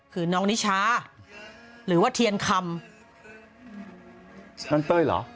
คือน้องนิชาหรือว่าเทียนคำนั่นเต้ยเหรอ